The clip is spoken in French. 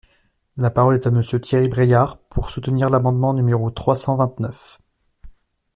La parole est à Monsieur Thierry Braillard, pour soutenir l’amendement numéro trois cent vingt-neuf.